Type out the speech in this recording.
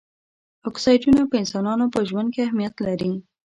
اکسایډونه په انسانانو په ژوند کې اهمیت لري.